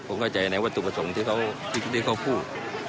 ผมเข้าใจในวัตถุประสงค์ที่เขาพูด